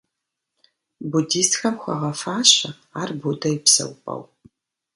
Буддистхэм хуагъэфащэ ар Буддэ и псэупӀэу.